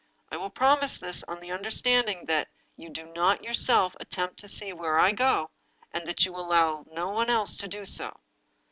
I will promise this on the understanding mat you do not yourself attempt to see where I go, and that you will allow no one else to do so."